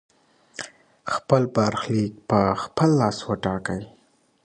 خپل برخليک په خپل لاس وټاکئ.